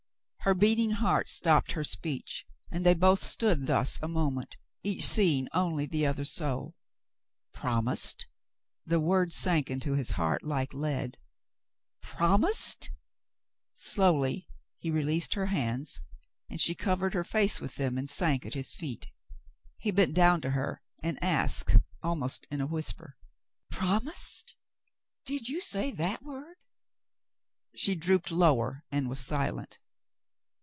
Her beating heart stopped her speech and they both stood thus a moment, each seeing only the other's soul. "Promised.^" The word sank into his heart like lead. *' Promised .^" Slowly he released her hands, and she covered her face with them and sank at his feet. He bent down to her and asked almost in a whisper : "Promised ? Did you say that word.^^" She drooped lower and was silent.